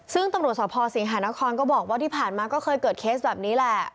ซึ่งตำรวจสภสิงหานครก็บอกว่าที่ผ่านมาก็เคยเกิดเคสแบบนี้แหละ